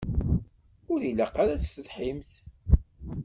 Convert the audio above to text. Ur ilaq ara ad tessetḥimt.